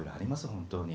本当に。